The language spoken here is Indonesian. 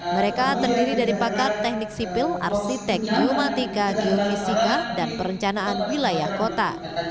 mereka terdiri dari pakar teknik sipil arsitek geomatika geofisika dan perencanaan wilayah kota